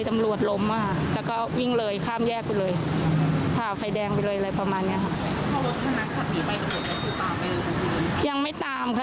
ตำรวจก็คือตามเองค่ะยังไม่ตามค่ะ